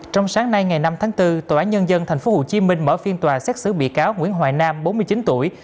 trong sáng nay ngày năm tháng bốn tòa án nhân dân thành phố hồ chí minh mở phiên tòa xét xứ bị cáo nguyễn hoài nam bốn mươi chín tuổi